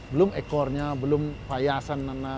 belum ekornya belum payasan kepalanya itu